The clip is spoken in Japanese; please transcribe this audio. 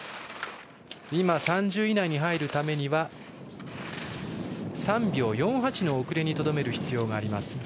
３０位以内に入るためには３秒４８の遅れにとどめる必要があります。